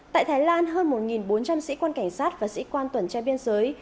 tại thái lan hơn một bốn trăm linh sĩ quan cảnh sát và sĩ quan tuần tra biên giới